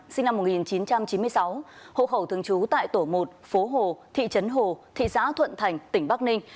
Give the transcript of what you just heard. sinh năm một nghìn chín trăm chín mươi sáu hộ khẩu thường trú tại tổ một phố hồ thị trấn hồ thị xã thuận thành tỉnh bắc ninh